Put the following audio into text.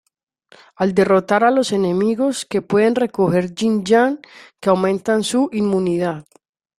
Al derrotar a los enemigos que pueden recoger ying-yang que aumenta su inmunidad.